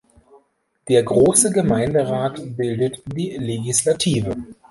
Der "Grosse Gemeinderat" bildet die Legislative.